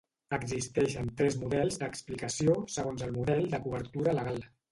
Existeixen tres models d'explicació segons el model de cobertura legal.